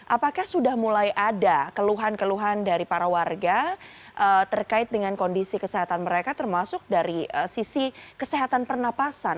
apakah sudah mulai ada keluhan keluhan dari para warga terkait dengan kondisi kesehatan mereka termasuk dari sisi kesehatan pernapasan